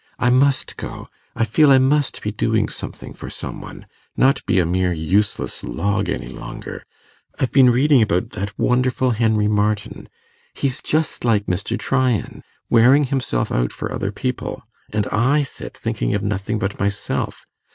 I must go I feel I must be doing something for some one not be a mere useless log any longer. I've been reading about that wonderful Henry Martyn; he's just like Mr. Tryan wearing himself out for other people, and I sit thinking of nothing but myself.